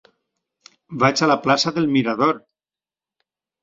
Vaig a la plaça del Mirador.